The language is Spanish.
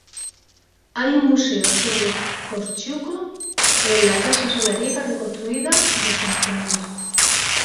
Hay un museo sobre Kościuszko en la casa solariega reconstruida de su nacimiento.